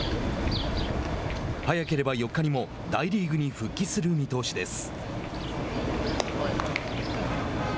早ければ４日にも大リーグに復帰する見通しです。